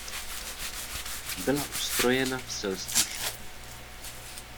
Byla ustrojena v selský šat.